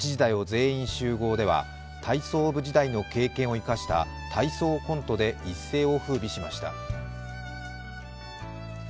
全員集合」では体操部時代の経験を生かした体操コントで一世をふうびしました。